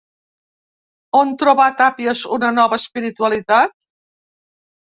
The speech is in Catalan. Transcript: On trobà Tàpies una nova espiritualitat?